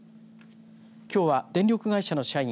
きょうは電力会社の社員